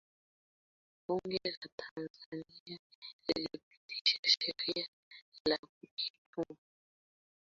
bunge la tanzania lilipitisha sheria ya benki kuu